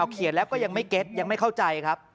เขียนแล้วก็ยังไม่เก็ตยังไม่เข้าใจครับ